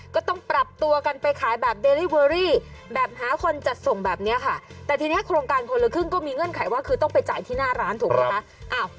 ก็ต้องปรับตัวกันไปขายแบบเดรี่เวอรี่แบบหาคนจัดส่งแบบนี้ค่ะแต่ทีนี้โครงการคนละครึ่งก็มีเงื่อนไขว่าคือต้องไปจ่ายที่หน้าร้านถูกไหมคะ